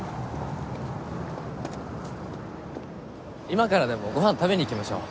今からでもご飯食べに行きましょう！